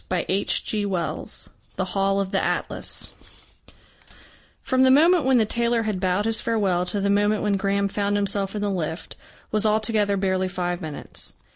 CHAPTER VI THE HALL OF THE ATLAS From the moment when the tailor had bowed his farewell to the moment when Graham found himself in the lift, was altogether barely five minutes.